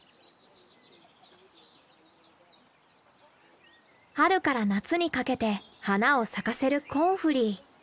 春から夏にかけて花を咲かせるコンフリー。